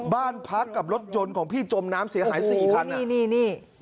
บ้านพักกับรถยนต์ของพี่จมน้ำเสียหายสี่คันนี่นี่